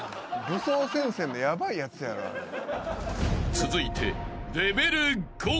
［続いて］